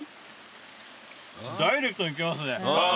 ダイレクトにきますね。